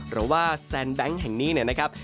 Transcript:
หรือว่าแซนแบงค์แห่งนี้นะครับ